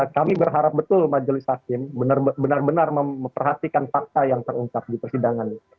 kami berharap betul majelis hakim benar benar memperhatikan fakta yang terungkap di persidangan ini